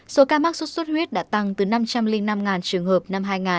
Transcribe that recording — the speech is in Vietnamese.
số ca mắc sốt xuất huyết đã tăng từ năm trăm linh năm trường hợp năm hai nghìn